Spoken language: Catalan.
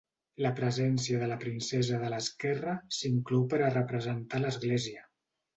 La presència de la princesa de l'esquerra s'inclou per a representar a l'Església.